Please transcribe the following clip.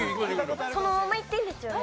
そのまま言っていいですよね？